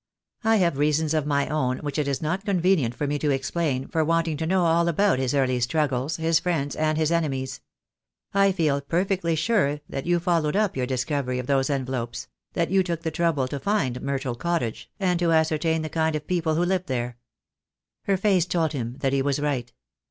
I have reasons of my own, which it is not convenient for me to explain, for wanting to know all about his early struggles, his friends, and his enemies. I feel perfectly sure that you followed up your discovery of those envelopes — that you took the trouble to find Myrtle Cottage, and to ascertain the kind of people who lived there." Her face told him that he was right.